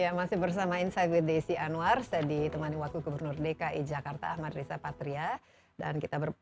ya masih bersama insight with desi anwar saya di temani wakil gubernur dki jakarta ahmad riza patria dan kita membahas mengenai update covid sembilan belas di jakarta